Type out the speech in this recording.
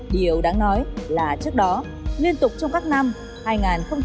điều đó là một trong những công ty thẩm mỹ lavender